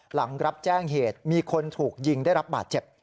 หลังรับแจ้งเหตุมีคนถูกยิงได้รับบาดเจ็บ